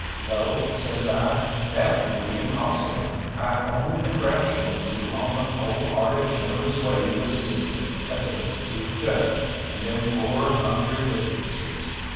"No," says I, "that would be impossible. I only congratulate you on the whole hearted generous way you assisted a destitute judge, and them poor hungry witnesses."